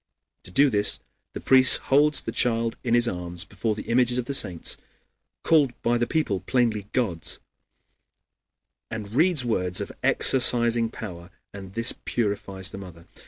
To do this the priest holds the child in his arms before the images of the saints (called by the people plainly gods) and reads words of exorcizing power, and this purifies the mother.